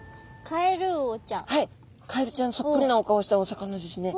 カエルちゃんそっくりなお顔をしたお魚ですね。